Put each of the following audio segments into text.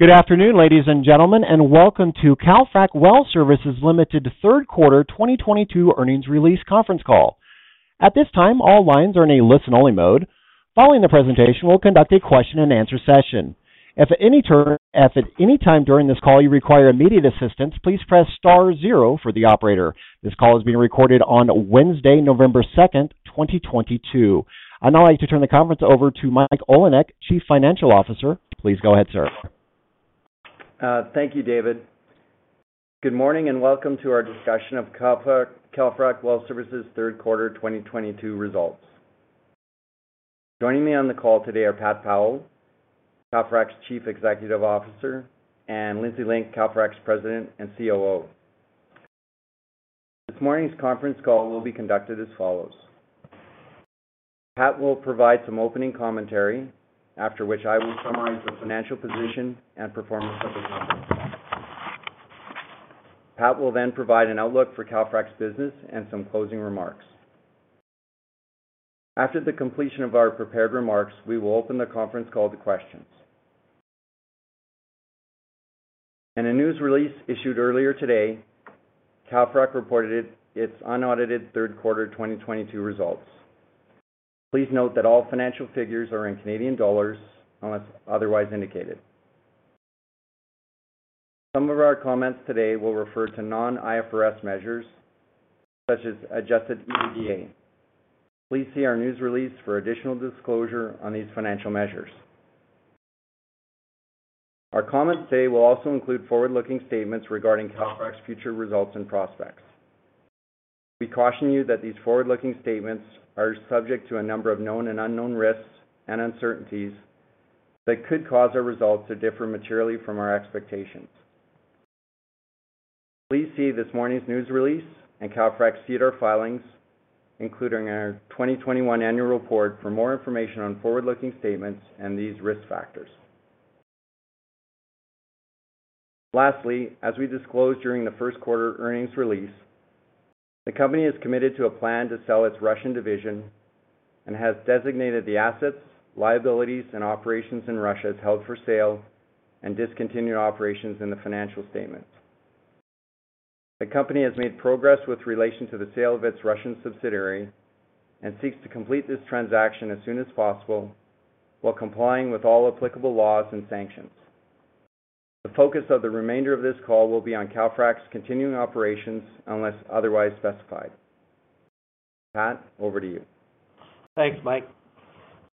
Good afternoon, ladies and gentlemen, and welcome to Calfrac Well Services Ltd. third quarter 2022 earnings release conference call. At this time, all lines are in a listen-only mode. Following the presentation, we'll conduct a question-and-answer session. If at any time during this call you require immediate assistance, please press star zero for the operator. This call is being recorded on Wednesday, November 2, 2022. I'd now like to turn the conference over to Mike Olinek, Chief Financial Officer. Please go ahead, sir. Thank you, David. Good morning and welcome to our discussion of Calfrac Well Services third quarter 2022 results. Joining me on the call today are Pat Powell, Calfrac's Chief Executive Officer, and Lindsay Link, Calfrac's President and Chief Operating Officer. This morning's conference call will be conducted as follows. Pat will provide some opening commentary, after which I will summarize the financial position and performance of the company. Pat will then provide an outlook for Calfrac's business and some closing remarks. After the completion of our prepared remarks, we will open the conference call to questions. In a news release issued earlier today, Calfrac reported its unaudited third quarter 2022 results. Please note that all financial figures are in Canadian dollars unless otherwise indicated. Some of our comments today will refer to non-IFRS measures such as Adjusted EBITDA. Please see our news release for additional disclosure on these financial measures. Our comments today will also include forward-looking statements regarding Calfrac's future results and prospects. We caution you that these forward-looking statements are subject to a number of known and unknown risks and uncertainties that could cause our results to differ materially from our expectations. Please see this morning's news release and Calfrac's SEDAR filings, including our 2021 annual report for more information on forward-looking statements and these risk factors. Lastly, as we disclosed during the first quarter earnings release, the company is committed to a plan to sell its Russian division and has designated the assets, liabilities, and operations in Russia as held for sale and discontinued operations in the financial statements. The company has made progress with relation to the sale of its Russian subsidiary and seeks to complete this transaction as soon as possible while complying with all applicable laws and sanctions. The focus of the remainder of this call will be on Calfrac's continuing operations unless otherwise specified. Pat, over to you. Thanks, Mike.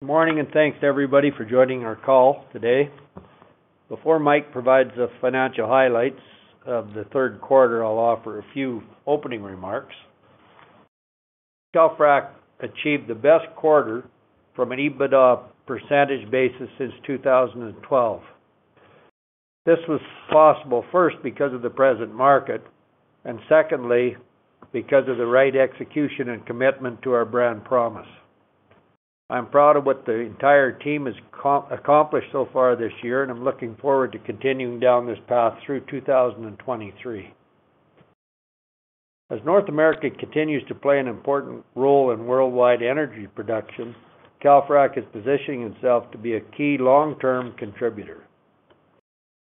Morning, and thanks to everybody for joining our call today. Before Mike provides the financial highlights of the third quarter, I'll offer a few opening remarks. Calfrac achieved the best quarter from an EBITDA percentage basis since 2012. This was possible first because of the present market and secondly because of the right execution and commitment to our brand promise. I'm proud of what the entire team has accomplished so far this year, and I'm looking forward to continuing down this path through 2023. As North America continues to play an important role in worldwide energy production, Calfrac is positioning itself to be a key long-term contributor.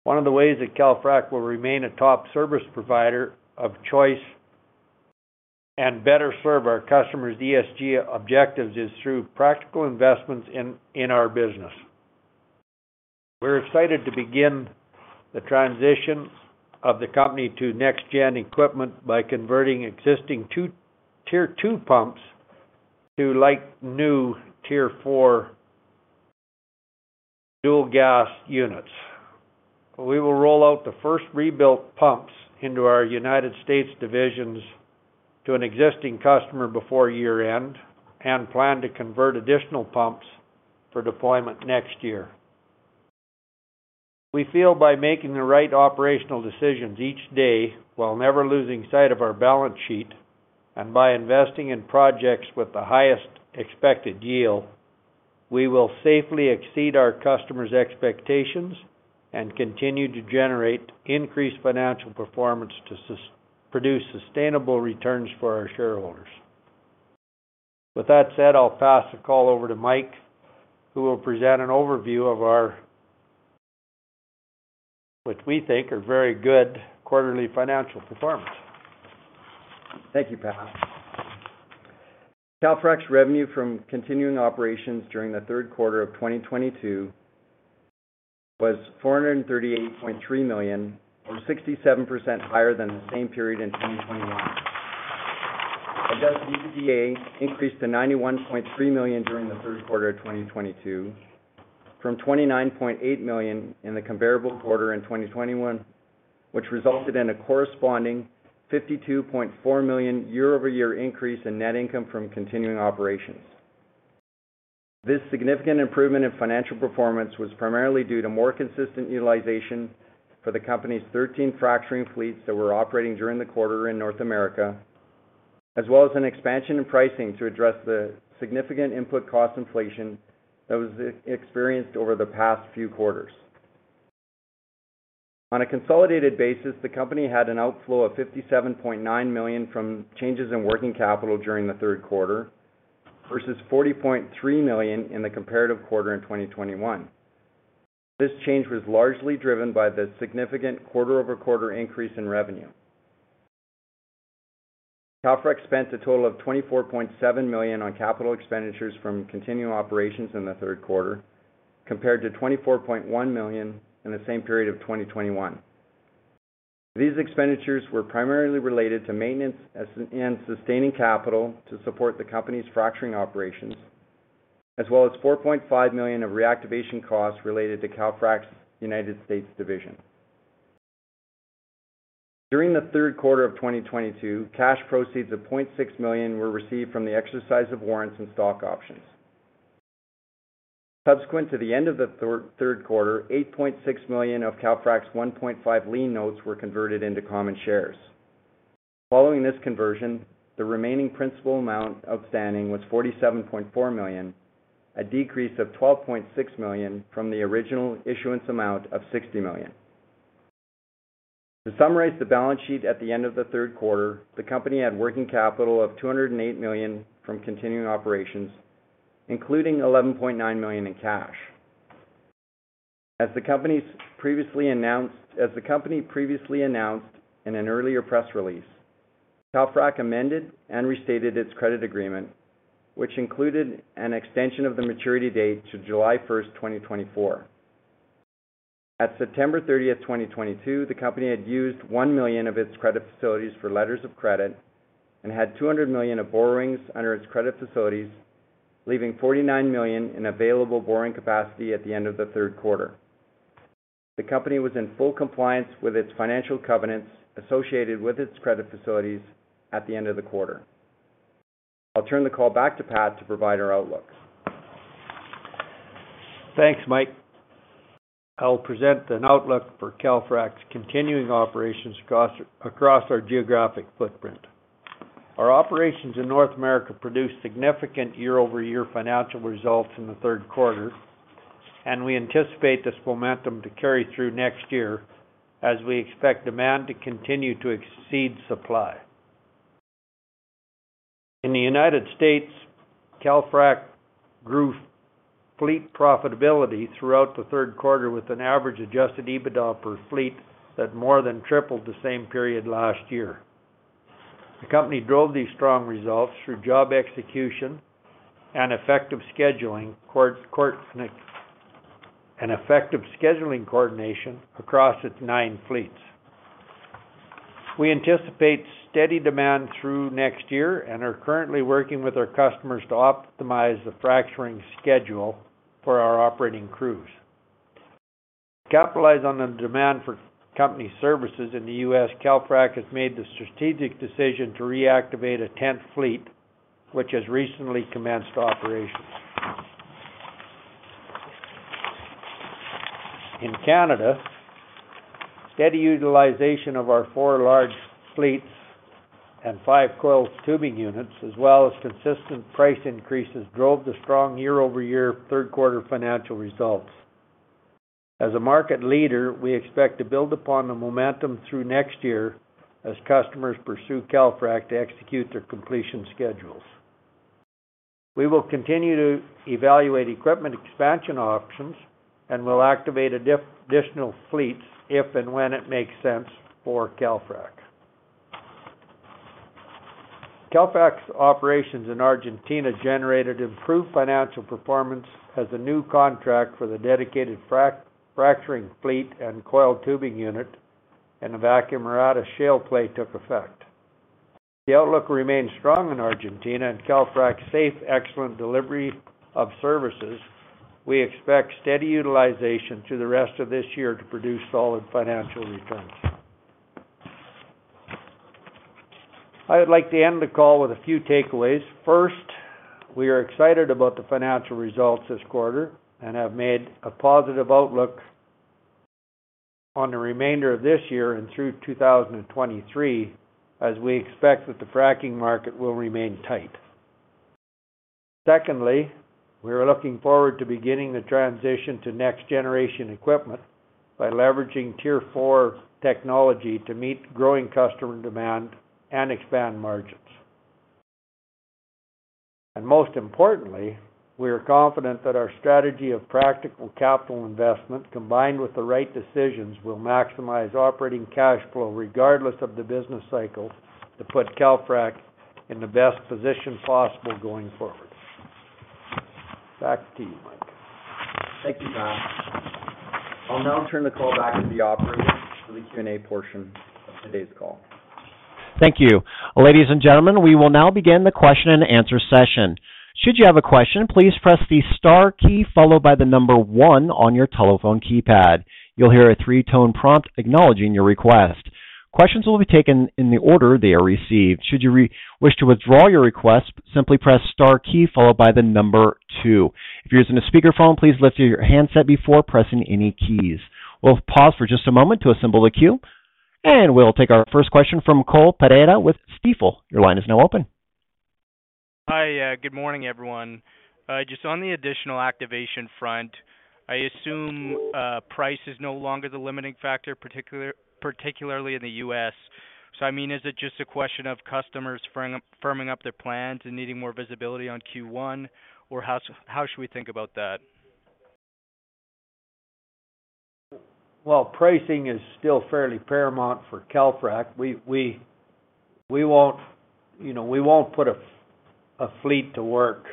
One of the ways that Calfrac will remain a top service provider of choice and better serve our customers' ESG objectives is through practical investments in our business. We're excited to begin the transition of the company to next gen equipment by converting existing Tier 2 pumps to like-new Tier 4 dual fuel units. We will roll out the first rebuilt pumps into our United States divisions to an existing customer before year-end and plan to convert additional pumps for deployment next year. We feel by making the right operational decisions each day while never losing sight of our balance sheet and by investing in projects with the highest expected yield, we will safely exceed our customers' expectations and continue to generate increased financial performance to produce sustainable returns for our shareholders. With that said, I'll pass the call over to Mike, who will present an overview of our, which we think are very good, quarterly financial performance. Thank you, Pat. Calfrac's revenue from continuing operations during the third quarter of 2022 was 438.3 million or 67% higher than the same period in 2021. Adjusted EBITDA increased to 91.3 million during the third quarter of 2022 from 29.8 million in the comparable quarter in 2021, which resulted in a corresponding 52.4 million year-over-year increase in net income from continuing operations. This significant improvement in financial performance was primarily due to more consistent utilization for the company's 13 fracturing fleets that were operating during the quarter in North America, as well as an expansion in pricing to address the significant input cost inflation that was experienced over the past few quarters. On a consolidated basis, the company had an outflow of 57.9 million from changes in working capital during the third quarter, versus 40.3 million in the comparative quarter in 2021. This change was largely driven by the significant quarter-over-quarter increase in revenue. Calfrac spent a total of 24.7 million on capital expenditures from continuing operations in the third quarter, compared to 24.1 million in the same period of 2021. These expenditures were primarily related to maintenance and sustaining capital to support the company's fracturing operations, as well as 4.5 million of reactivation costs related to Calfrac's United States division. During the third quarter of 2022, cash proceeds of 0.6 million were received from the exercise of warrants and stock options. Subsequent to the end of the third quarter, 8.6 million of Calfrac's 1.5 Lien Notes were converted into common shares. Following this conversion, the remaining principal amount outstanding was 47.4 million, a decrease of 12.6 million from the original issuance amount of 60 million. To summarize the balance sheet at the end of the third quarter, the company had working capital of 208 million from continuing operations, including 11.9 million in cash. As the company previously announced in an earlier press release, Calfrac amended and restated its credit agreement, which included an extension of the maturity date to July 1, 2024. At September 30, 2022, the company had used 1 million of its credit facilities for letters of credit and had 200 million of borrowings under its credit facilities, leaving 49 million in available borrowing capacity at the end of the third quarter. The company was in full compliance with its financial covenants associated with its credit facilities at the end of the quarter. I'll turn the call back to Pat to provide our outlook. Thanks, Mike. I'll present an outlook for Calfrac's continuing operations across our geographic footprint. Our operations in North America produced significant year-over-year financial results in the third quarter, and we anticipate this momentum to carry through next year as we expect demand to continue to exceed supply. In the United States, Calfrac grew fleet profitability throughout the third quarter with an average adjusted EBITDA per fleet that more than tripled the same period last year. The company drove these strong results through job execution and effective scheduling coordination across its nine fleets. We anticipate steady demand through next year and are currently working with our customers to optimize the fracturing schedule for our operating crews. To capitalize on the demand for company services in the U.S., Calfrac has made the strategic decision to reactivate a tenth fleet, which has recently commenced operations. In Canada, steady utilization of our 4 large fleets and 5 coiled tubing units, as well as consistent price increases, drove the strong year-over-year third quarter financial results. As a market leader, we expect to build upon the momentum through next year as customers pursue Calfrac to execute their completion schedules. We will continue to evaluate equipment expansion options and will activate additional fleets if and when it makes sense for Calfrac. Calfrac's operations in Argentina generated improved financial performance as a new contract for the dedicated fracturing fleet and coiled tubing unit in the Vaca Muerta Shale play took effect. The outlook remains strong in Argentina, and Calfrac's safe, excellent delivery of services. We expect steady utilization through the rest of this year to produce solid financial returns. I would like to end the call with a few takeaways. First, we are excited about the financial results this quarter and have made a positive outlook on the remainder of this year and through 2023, as we expect that the fracking market will remain tight. Secondly, we are looking forward to beginning the transition to next generation equipment by leveraging Tier 4 technology to meet growing customer demand and expand margins. Most importantly, we are confident that our strategy of practical capital investment, combined with the right decisions, will maximize operating cash flow regardless of the business cycle to put Calfrac in the best position possible going forward. Back to you, Mike. Thank you, Pat. I'll now turn the call back to the operator for the Q&A portion of today's call. Thank you. Ladies and gentlemen, we will now begin the question and answer session. Should you have a question, please press the star key followed by the number one on your telephone keypad. You'll hear a three-tone prompt acknowledging your request. Questions will be taken in the order they are received. Should you wish to withdraw your request, simply press star key followed by the number two. If you're using a speakerphone, please lift your handset before pressing any keys. We'll pause for just a moment to assemble the queue, and we'll take our first question from Cole Pereira with Stifel. Your line is now open. Hi. Good morning, everyone. Just on the additional activation front, I assume price is no longer the limiting factor, particularly in the U.S. I mean, is it just a question of customers firming up their plans and needing more visibility on Q1? How should we think about that? Well, pricing is still fairly paramount for Calfrac. We won't, you know, we won't put a fleet to work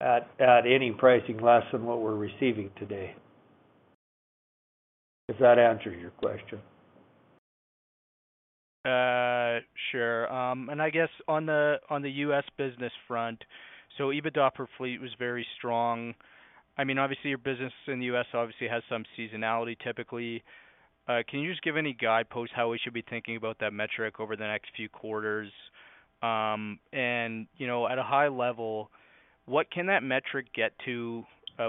at any pricing less than what we're receiving today. Does that answer your question? Sure. I guess on the U.S. business front, EBITDA per fleet was very strong. I mean, obviously, your business in the U.S. obviously has some seasonality typically. Can you just give any guideposts how we should be thinking about that metric over the next few quarters? You know, at a high level, what can that metric get to,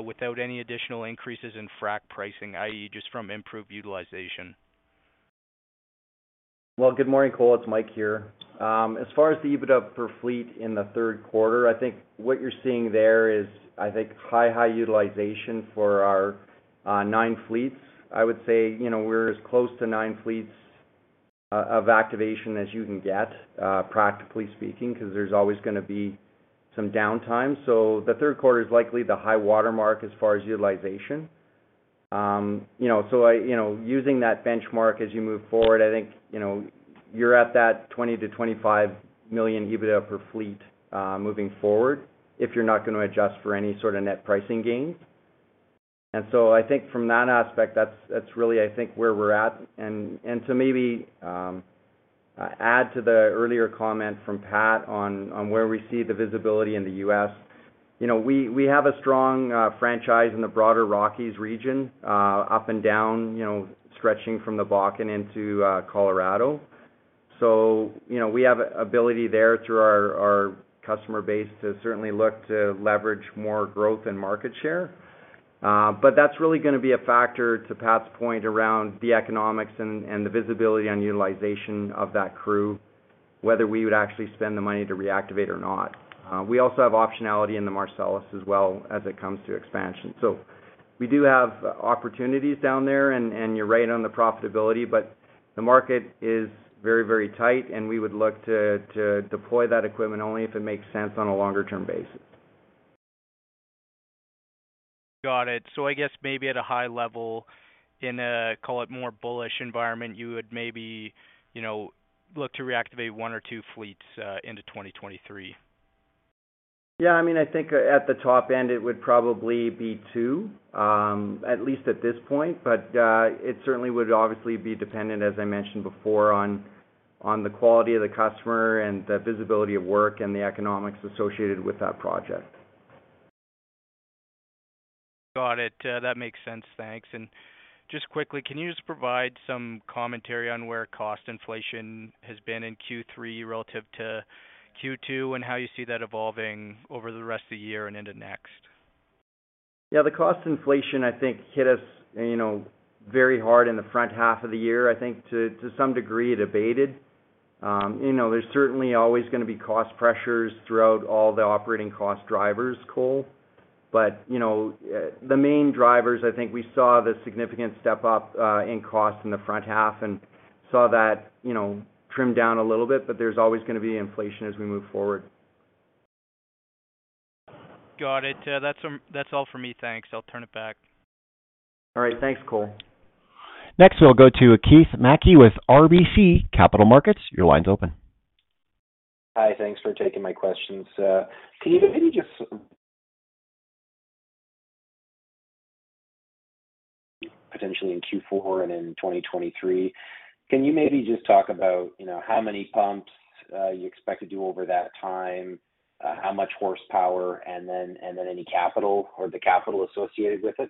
without any additional increases in frac pricing, i.e., just from improved utilization? Well, good morning, Cole. It's Mike here. As far as the EBITDA per fleet in the third quarter, I think what you're seeing there is, I think, high utilization for our nine fleets. I would say, you know, we're as close to nine fleets of activation as you can get, practically speaking, 'cause there's always gonna be some downtime. The third quarter is likely the high watermark as far as utilization. You know, using that benchmark as you move forward, I think, you know, you're at that 20 million-25 million EBITDA per fleet, moving forward, if you're not gonna adjust for any sort of net pricing gains. I think from that aspect, that's really where we're at. To maybe add to the earlier comment from Pat on where we see the visibility in the US. You know, we have a strong franchise in the broader Rockies region, up and down, you know, stretching from the Bakken into Colorado. You know, we have ability there through our customer base to certainly look to leverage more growth and market share. But that's really gonna be a factor, to Pat's point, around the economics and the visibility on utilization of that crew, whether we would actually spend the money to reactivate or not. We also have optionality in the Marcellus as well as it comes to expansion. We do have opportunities down there and you're right on the profitability, but the market is very, very tight, and we would look to deploy that equipment only if it makes sense on a longer term basis. Got it. I guess maybe at a high level, in a, call it, more bullish environment, you would maybe, you know, look to reactivate one or two fleets into 2023. Yeah. I mean, I think at the top end it would probably be two, at least at this point. It certainly would obviously be dependent, as I mentioned before, on the quality of the customer and the visibility of work and the economics associated with that project. Got it. That makes sense. Thanks. Just quickly, can you just provide some commentary on where cost inflation has been in Q3 relative to Q2, and how you see that evolving over the rest of the year and into next? Yeah, the cost inflation I think hit us, you know, very hard in the front half of the year. I think to some degree it abated. You know, there's certainly always gonna be cost pressures throughout all the operating cost drivers, Cole. You know, the main drivers, I think we saw the significant step-up in cost in the front half and saw that, you know, trim down a little bit, but there's always gonna be inflation as we move forward. Got it. That's all for me. Thanks. I'll turn it back. All right. Thanks, Cole. Next, we'll go to Keith Mackey with RBC Capital Markets. Your line's open. Hi. Thanks for taking my questions. Can you maybe just talk about, you know, how many pumps you expect to do over that time? How much horsepower and then any capital or the capital associated with it?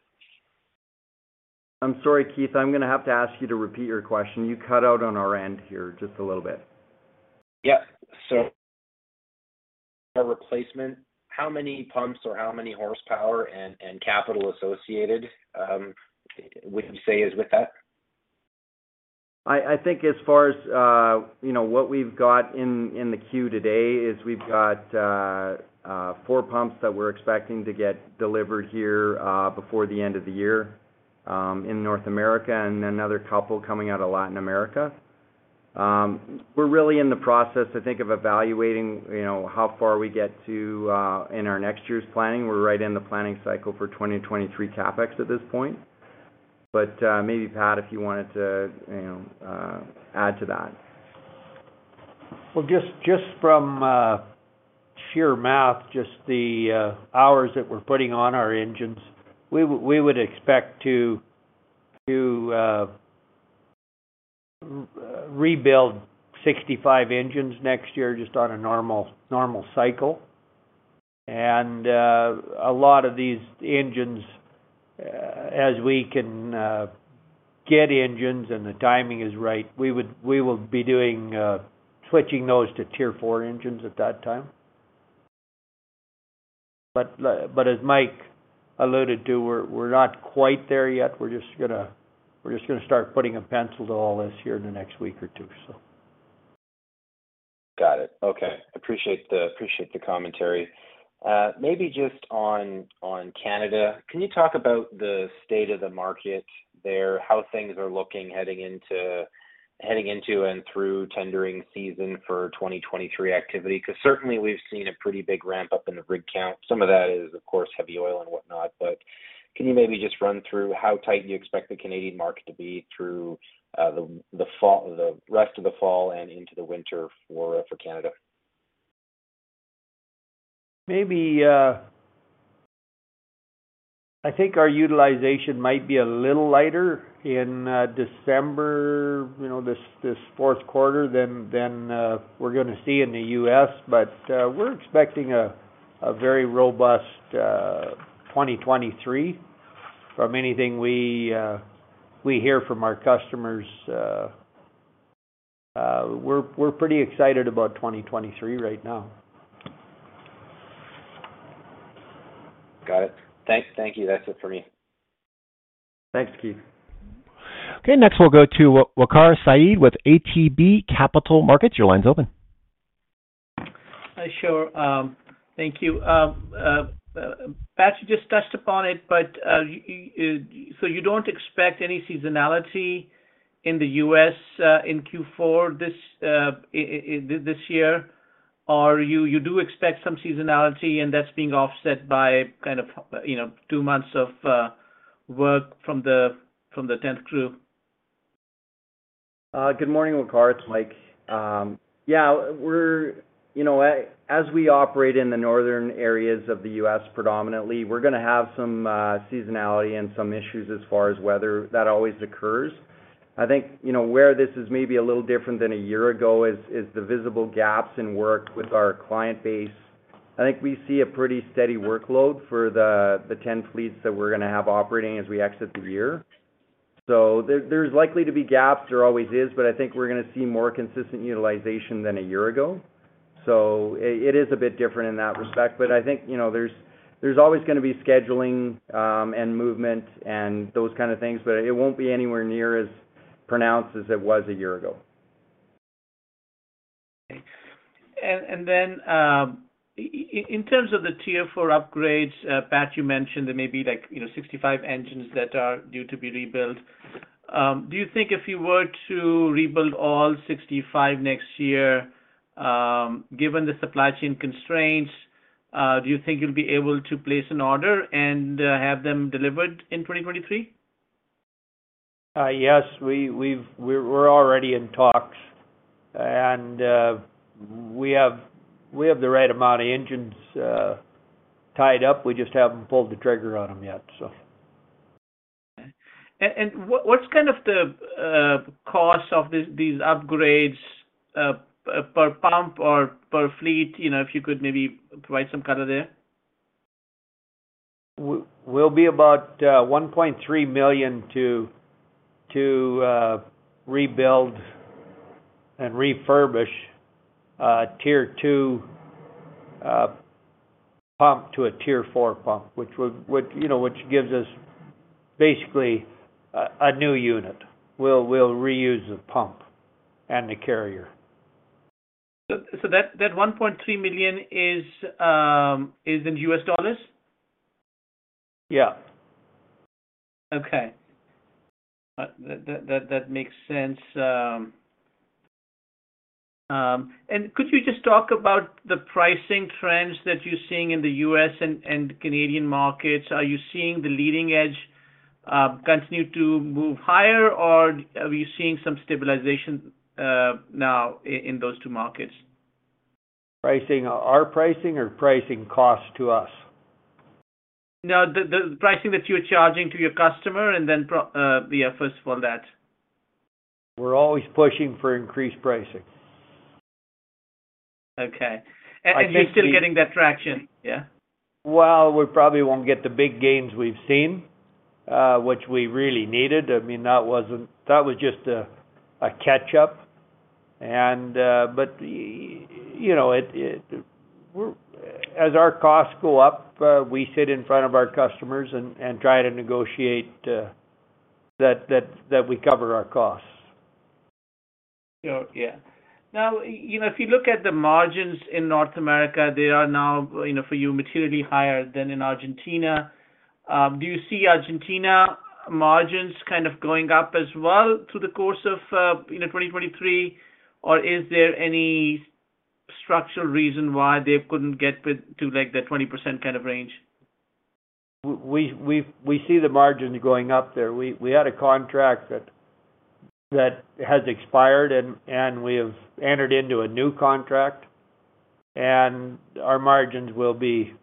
I'm sorry, Keith. I'm gonna have to ask you to repeat your question. You cut out on our end here just a little bit. Yeah. Replacement, how many pumps or how many horsepower and capital associated would you say is with that? I think as far as, you know, what we've got in the queue today is we've got 4 pumps that we're expecting to get delivered here before the end of the year in North America and another couple coming out of Latin America. We're really in the process, I think, of evaluating, you know, how far we get to in our next year's planning. We're right in the planning cycle for 2023 CapEx at this point. Maybe, Pat, if you wanted to, you know, add to that. Well, just from sheer math, just the hours that we're putting on our engines, we would expect to rebuild 65 engines next year just on a normal cycle. A lot of these engines, as we can get engines and the timing is right, we will be doing switching those to Tier 4 engines at that time. But as Mike alluded to, we're not quite there yet. We're just gonna start putting a pencil to all this here in the next week or two. Got it. Okay. Appreciate the commentary. Maybe just on Canada, can you talk about the state of the market there? How things are looking heading into and through tendering season for 2023 activity? 'Cause certainly we've seen a pretty big ramp up in the rig count. Some of that is of course heavy oil and whatnot, but can you maybe just run through how tight you expect the Canadian market to be through the rest of the fall and into the winter for Canada? Maybe I think our utilization might be a little lighter in December, you know, fourth quarter than we're gonna see in the U.S. We're expecting a very robust 2023 from anything we hear from our customers. We're pretty excited about 2023 right now. Got it. Thank you. That's it for me. Thanks, Keith. Okay. Next we'll go to Waqar Syed with ATB Capital Markets. Your line's open. Sure. Thank you. Pat, you just touched upon it, but so you don't expect any seasonality in the U.S. in Q4 this year? Or you do expect some seasonality and that's being offset by kind of, you know, two months of work from the tenth crew? Good morning, Waqar. It's Mike. Yeah, we're. You know, as we operate in the northern areas of the U.S. predominantly, we're gonna have some seasonality and some issues as far as weather that always occurs. I think, you know, where this is maybe a little different than a year ago is the visible gaps in work with our client base. I think we see a pretty steady workload for the 10 fleets that we're gonna have operating as we exit the year. So there's likely to be gaps. There always is, but I think we're gonna see more consistent utilization than a year ago. It is a bit different in that respect. I think, you know, there's always gonna be scheduling, and movement and those kind of things, but it won't be anywhere near as pronounced as it was a year ago. In terms of the Tier 4 upgrades, Pat, you mentioned there may be like, you know, 65 engines that are due to be rebuilt. Do you think if you were to rebuild all 65 next year, given the supply chain constraints, do you think you'll be able to place an order and have them delivered in 2023? Yes. We're already in talks and we have the right amount of engines tied up. We just haven't pulled the trigger on them yet, so. Okay. What's kind of the cost of these upgrades per pump or per fleet? You know, if you could maybe provide some color there. We'll be about 1.3 million to rebuild and refurbish a Tier 2 pump to a Tier 4 pump, which would you know which gives us basically a new unit. We'll reuse the pump and the carrier. That $1.3 million is in US dollars? Yeah. Okay. That makes sense. Could you just talk about the pricing trends that you're seeing in the U.S. and Canadian markets? Are you seeing the leading edge continue to move higher, or are you seeing some stabilization now in those two markets? Pricing? Our pricing or pricing costs to us? No, the pricing that you're charging to your customer and then, yeah, first for that. We're always pushing for increased pricing. Okay. I think the- You're still getting that traction, yeah? Well, we probably won't get the big gains we've seen, which we really needed. I mean, that was just a catch up and you know. As our costs go up, we sit in front of our customers and try to negotiate that we cover our costs. Sure, yeah. Now, you know, if you look at the margins in North America, they are now, you know, for you materially higher than in Argentina. Do you see Argentina margins kind of going up as well through the course of 2023? Or is there any structural reason why they couldn't get up to like the 20% kind of range? We see the margins going up there. We had a contract that has expired and we have entered into a new contract, and our margins will be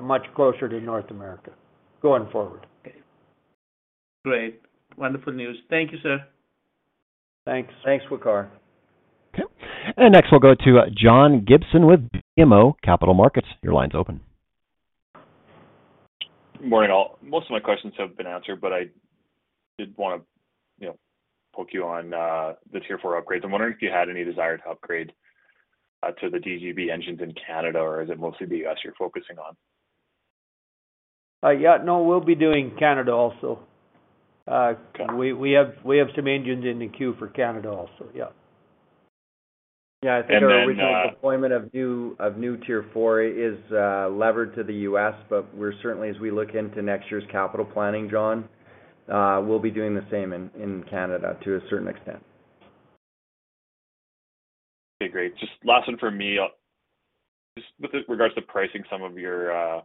much closer to North America going forward. Okay. Great. Wonderful news. Thank you, sir. Thanks. Thanks, Waqar. Okay. Next we'll go to John Gibson with BMO Capital Markets. Your line's open. Morning, all. Most of my questions have been answered, but I did wanna, you know, poke you on the Tier 4 upgrades. I'm wondering if you had any desire to upgrade to the DGB engines in Canada, or is it mostly the U.S. you're focusing on? Yeah, no, we'll be doing Canada also. We have some engines in the queue for Canada also. And then, uh- Yeah, I think our original deployment of new Tier 4 is levered to the U.S., but we're certainly as we look into next year's capital planning, John, we'll be doing the same in Canada to a certain extent. Okay, great. Just last one for me. Just with regards to pricing, some of your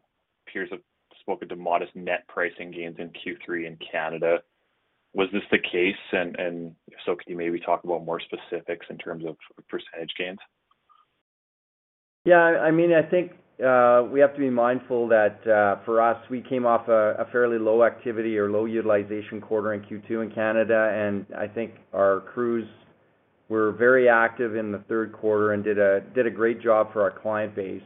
peers have spoken to modest net pricing gains in Q3 in Canada. Was this the case? If so, could you maybe talk about more specifics in terms of percentage gains? Yeah, I mean, I think we have to be mindful that for us, we came off a fairly low activity or low utilization quarter in Q2 in Canada, and I think our crews were very active in the third quarter and did a great job for our client base.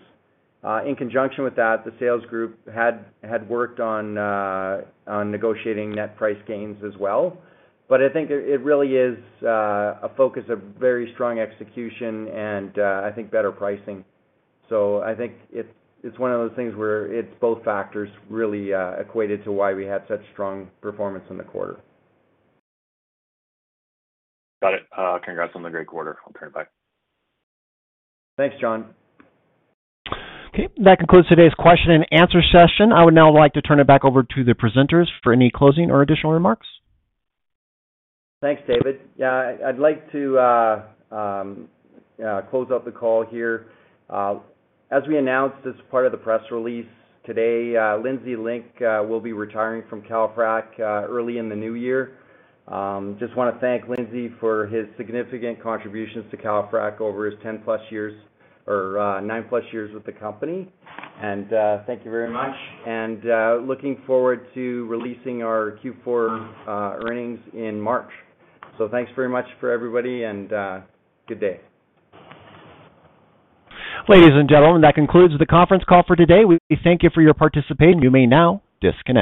In conjunction with that, the sales group had worked on negotiating net price gains as well. I think it really is a focus of very strong execution and I think better pricing. I think it's one of those things where it's both factors really equated to why we had such strong performance in the quarter. Got it. Congrats on the great quarter. I'll turn it back. Thanks, John. Okay, that concludes today's question and answer session. I would now like to turn it back over to the presenters for any closing or additional remarks. Thanks, David. Yeah, I'd like to close out the call here. As we announced as part of the press release today, Lindsay Link will be retiring from Calfrac early in the new year. Just wanna thank Lindsay for his significant contributions to Calfrac over his 10+ years or 9+ years with the company. Thank you very much, and looking forward to releasing our Q4 earnings in March. Thanks very much for everybody and good day. Ladies and gentlemen, that concludes the conference call for today. We thank you for your participation. You may now disconnect.